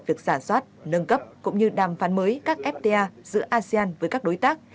việc giả soát nâng cấp cũng như đàm phán mới các fta giữa asean với các đối tác